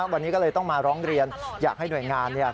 วันนี้ก็เลยต้องมาร้องเรียนอยากให้หน่วยงานเนี่ย